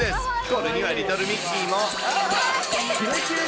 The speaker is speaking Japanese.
これにはリトルミッキーも。